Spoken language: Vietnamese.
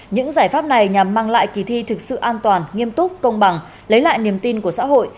những giải pháp này nhằm mang lại kỳ thi thực sự an toàn nghiêm túc công bằng lấy lại niềm tin của xã hội